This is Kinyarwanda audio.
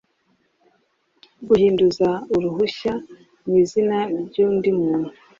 guhinduza uruhushya mu izina ry undi muntu